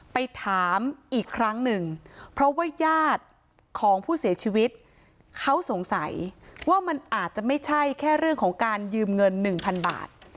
ไปถามอีกครั้งหนึ่งเพราะว่าญาติของผู้เสียชีวิตเขาสงสัยว่ามันอาจจะไม่ใช่แค่เรื่องของการยืมเงินหนึ่งพันบาท